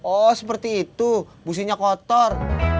oh seperti itu businya kotor